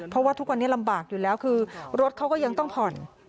เพราะว่าทุกวันนี้ลำบากอยู่แล้วคือรถเขาก็ยังต้องผ่อน